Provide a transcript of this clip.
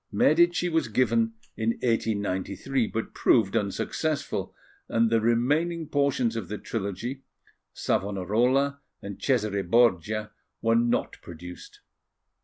Medici was given in 1893, but proved unsuccessful, and the remaining portions of the trilogy, Savonarola and Cesare Borgia, were not produced.